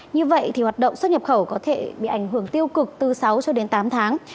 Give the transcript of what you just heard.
như vậy thì hoạt động xuất nhập khẩu có thể bị ảnh hưởng tiêu cực từ sáu cho đến tám tháng